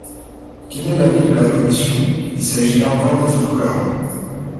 Quel est l’avis de la commission ? Il s’agit là encore d’être cohérent.